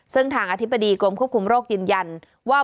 ซึ่งทางอธิบดีกรมควบคุมโรคยืนยันว่า